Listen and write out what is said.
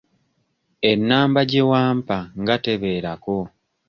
Enamba gye wampa nga tebeerako?